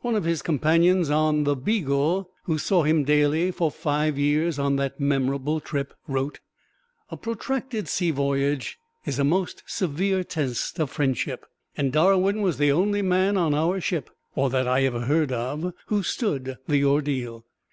One of his companions on the "Beagle," who saw him daily for five years on that memorable trip, wrote: "A protracted sea voyage is a most severe test of friendship, and Darwin was the only man on our ship, or that I ever heard of, who stood the ordeal.